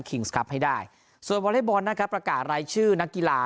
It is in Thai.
ครับให้ได้ส่วนวอเล็กบอลนะครับประกาศรายชื่อนักกีฬา